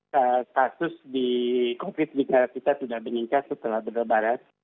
kasus di covid di negara kita sudah meningkat setelah berlebaran